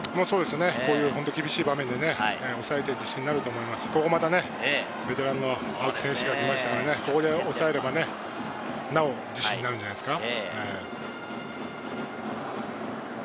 こういう厳しい場面で抑えて自信になると思いますし、ここもまたベテランの青木選手が来ましたから、ここで抑えればね、自信になるんじゃないですか。